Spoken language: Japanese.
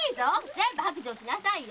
全部白状しなさいよ！